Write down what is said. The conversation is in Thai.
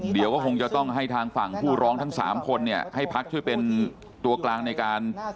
เดี๋ยวก็คงจะต้องให้ทางฝั่งผู้ร้องทั้ง๓คนเนี่ยให้พักช่วยเป็นตัวกลางในการ